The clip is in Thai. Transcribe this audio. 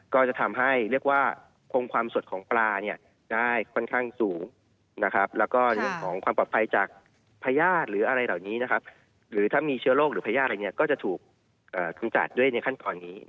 ก็จะทำให้ความสดของปลาได้ค่อนข้างสูง